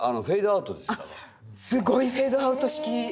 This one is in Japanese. あっすごいフェードアウト式！